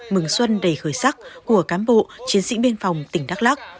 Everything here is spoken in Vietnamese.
mừng xuân đầy khởi sắc của cán bộ chiến sĩ biên phòng tỉnh đắk lắc